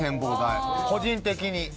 個人的に。